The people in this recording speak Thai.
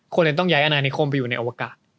ควรจะต้องย้ายอนานิคมไปอยู่ในอวกาศ